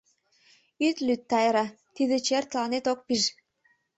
— Ит лӱд, Тайра, тиде «чер» тыланет ок пиж...